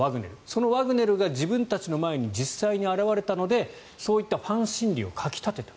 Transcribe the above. そのワグネルが自分たちの前に実際に現れたのでそういったファン心理をかき立てた。